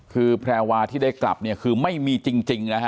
คือแพรวาร์ที่ได้กลับคือไม่มีจริงนะคะ